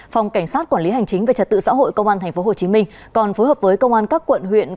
phòng cảnh sát quản lý hành chính về trật tự xã hội công an tp hcm còn phối hợp với công an các quận huyện